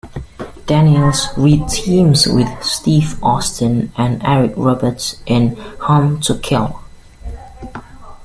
Daniels re-teams with Steve Austin and Eric Roberts in "Hunt to Kill".